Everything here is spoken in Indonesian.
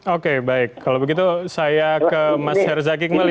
oke baik kalau begitu saya ke mas herzaki kembali